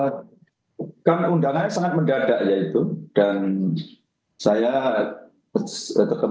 bukan undangannya sangat mendadak